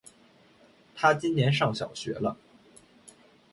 他今年上小学了